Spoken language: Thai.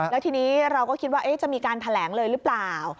แล้วทีนี้เราก็คิดว่าจะมีการแถลงเลยหรือเปล่า